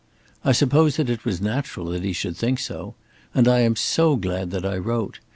I suppose that it was natural he should think so. And I am so glad that I wrote.